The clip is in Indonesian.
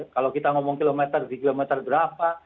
kalau kita ngomong kilometer di kilometer berapa